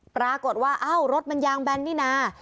ปรากฏว่าเรารถมันยางแบนทรี่นา